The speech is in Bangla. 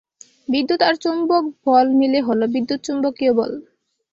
বিদ্যুৎ আর চৌম্বক বল মিলে হলো বিদ্যুৎ–চুম্বকীয় বল।